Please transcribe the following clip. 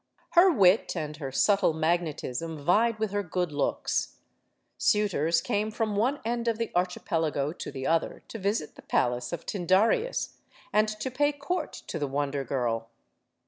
Her wit and her subtle magnetism vied with her good looks. Suitors came from one end of the arch ipelago to the other to visit the palace of Tyndareus and to pay court to the Wonder Girl.